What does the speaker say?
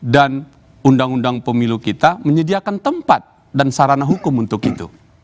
dan undang undang pemilu kita menyediakan tempat dan sarana hukum untuk itu